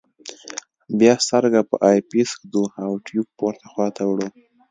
بیا سترګه په آی پیس ږدو او ټیوب پورته خواته وړو.